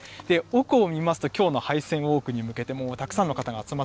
奥を見ますと、きょうの廃線ウォークに向けてたくさんの方が集ま